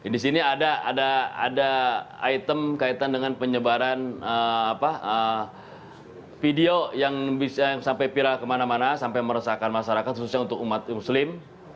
di sini ada item kaitan dengan penyebaran video yang sampai viral kemana mana sampai meresahkan masyarakat khususnya untuk umat muslim